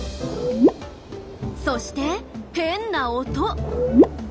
そして変な音！